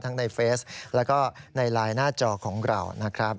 ในเฟสแล้วก็ในไลน์หน้าจอของเรานะครับ